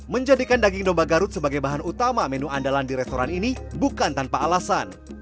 menjadikan daging domba garut sebagai bahan utama menu andalan di restoran ini bukan tanpa alasan